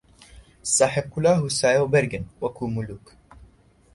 ساحێب کولاهـ و سایە و بەرگن وەکوو مولووک